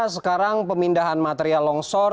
sekarang pemindahan material lonsor